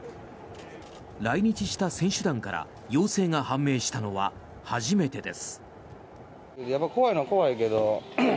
来日した選手団から陽性が判明したのは初めてです。